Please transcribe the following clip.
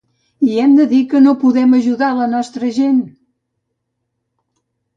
I hem de dir que no podem ajudar a la nostra gent!